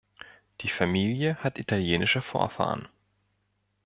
Die Familie hat italienische Vorfahren.